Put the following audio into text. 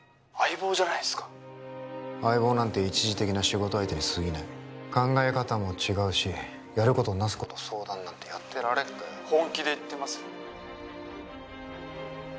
相棒じゃないですか相棒なんて一時的な仕事相手にすぎない考え方も違うしやることなすこと相談なんてやってられっかよ本気で言ってます？